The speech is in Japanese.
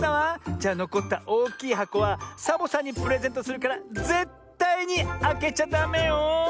じゃのこったおおきいはこはサボさんにプレゼントするからぜったいにあけちゃダメよ。